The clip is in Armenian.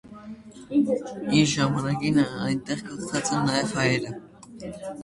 Իր ժամանակին այնտեղ գաղթած են նաեւ հայերը։